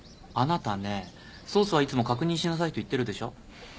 あなたねソースはいつも確認しなさいと言ってるでしょ。